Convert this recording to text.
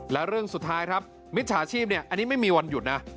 และเรื่องสุดท้ายครับมิจฉาชีพอันนี้ไม่มีวันหยุดนะ